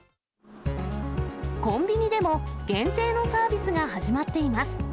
コンビニでも、限定のサービスが始まっています。